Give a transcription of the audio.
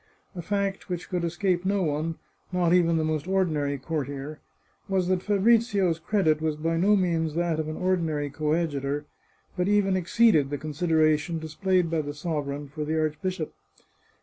A fact which could escape no 508 The Chartreuse of Parma one, not even the most ordinary courtier, was that Fabrizio's credit was by no means that of an ordinary coadjutor, but even exceeded the consideration displayed by the sovereign for the archbishop.